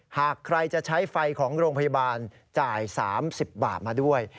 หากใครจะใช้ไฟของโรงพยาบาลจ่าย๓๐บาทมาด้วย